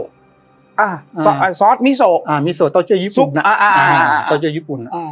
อ่าอ่าซอสมิโซอ่ามิโซอ่าตัวเจ้าญี่ปุ่นอ่าอ่าตัวเจ้าญี่ปุ่นอ่า